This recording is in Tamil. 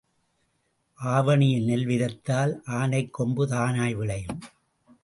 ஆவணியில் நெல் விதைத்தால் ஆனைக் கொம்பு தானாய் விளையும்.